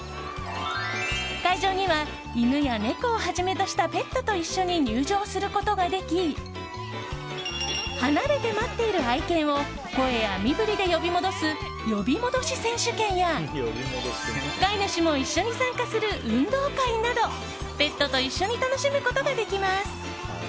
会場には犬や猫をはじめとしたペットと一緒に入場することができ離れて待っている愛犬を声や身振りで呼び戻す呼び戻し選手権や飼い主も一緒に参加する運動会などペットと一緒に楽しむことができます。